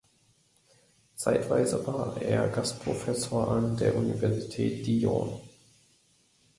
Zeitweise war er Gastprofessor an der Universität Dijon.